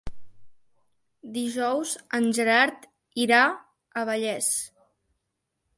Dijous en Gerard irà a Vallés.